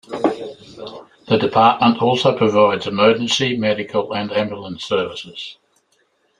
The department also provides emergency medical and ambulance services.